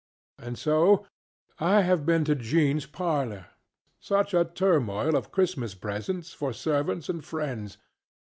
And soŌĆö I have been to JeanŌĆÖs parlor. Such a turmoil of Christmas presents for servants and friends!